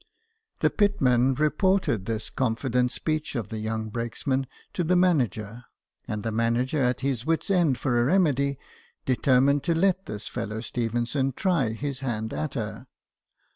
The pitman reported this confident speech of the young brakesman to the manager ; and the manager, at his wits' end for a remedy, determined to let this fellow Stephenson try his hand at her.